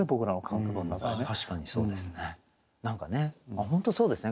あっ本当そうですね。